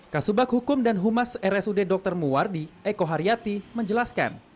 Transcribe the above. kasubag hukum dan humas rsud dr muwardi eko haryati menjelaskan